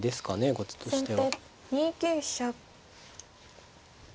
後手としては。